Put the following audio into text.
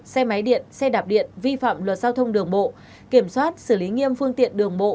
xe máy điện xe đạp điện vi phạm luật giao thông đường bộ kiểm soát xử lý nghiêm phương tiện đường bộ